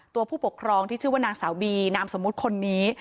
ผู้ปกครองที่ชื่อว่านางสาวบีนามสมมุติคนนี้